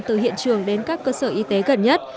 từ hiện trường đến các cơ sở y tế gần nhất